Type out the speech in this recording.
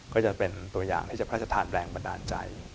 ก็จะเป็นตัวอย่างที่จะพระราชทานแรงบันดาลใจ